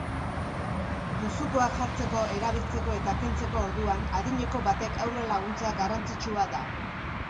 Musukoak jartzeko, erabiltzeko eta kentzeko orduan adineko batek haurra laguntzea garrantzitsua da.